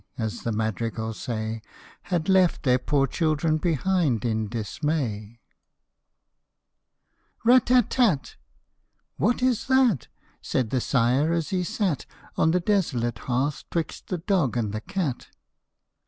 (As the madrigals say) Had left their poor children behind in dismay. 80 HOP O MY THUMB. " Rat tat tat !" "What is that?" Said the sire as he sat On the desolate hearth 'twixt the dog and the cat.